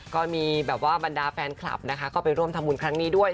ก็มีบรรดาแฟนคลับก็ไปร่วมทำบุญครั้งนี้ด้วย